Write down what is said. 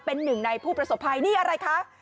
เป็นหนึ่งในผู้ประสบภัยนี่อะไรคะ